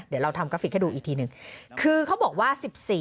เดี๋ยวเราทำกราฟิกให้ดูอีกทีหนึ่งคือเขาบอกว่า๑๔